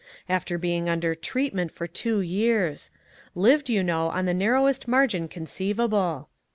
After being under treatment for two years! Lived, you know, on the narrowest margin conceivable.